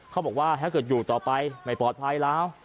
เขาบอกว่าถ้าเกิดอยู่ต่อไปไม่ปลอดภัยแล้ว